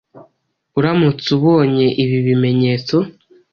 Uramutse ubonye ibi bimenyetso,